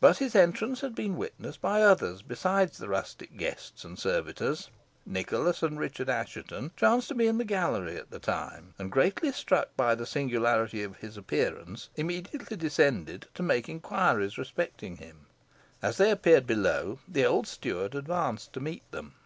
But his entrance had been witnessed by others besides the rustic guests and servitors. Nicholas and Richard Assheton chanced to be in the gallery at the time, and, greatly struck by the singularity of his appearance, immediately descended to make inquiries respecting him. As they appeared below, the old steward advanced to meet them.